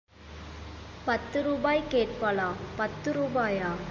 பத்துருபாய் கேட்பாளா? பத்து ரூபாயா?